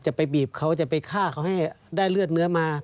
ไปบีบเขาจะไปฆ่าเขาให้ได้เลือดเนื้อมา